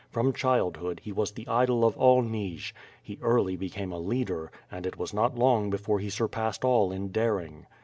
From childhood he was the idol of all Nij; he early became a leader, and it was not long before he surpassed all in daring.